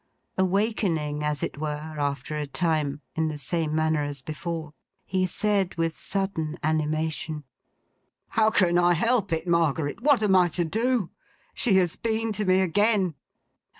Awakening, as it were, after a time; in the same manner as before; he said with sudden animation: 'How can I help it, Margaret? What am I to do? She has been to me again!